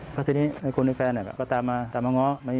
พัฒนีคุณแฟนก็ตามมาตามมาง้อก